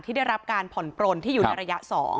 ได้รับการผ่อนปลนที่อยู่ในระยะ๒